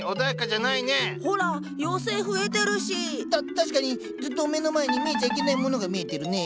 確かにずっと目の前に見えちゃいけないものが見えてるねぇ。